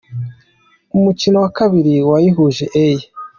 Mu mukino wa kabiri wayihuje A.